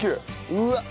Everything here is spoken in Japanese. うわっ！